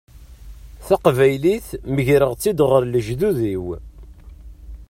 Taqbaylit megreɣ-tt-id ɣer lejdud-iw.